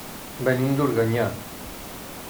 Venim d'Organyà.